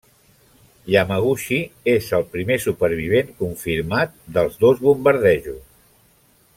Yamaguchi és el primer supervivent confirmat dels dos bombardejos.